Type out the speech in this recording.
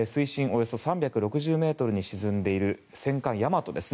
およそ３６０ｍに沈んでいる戦艦「大和」です。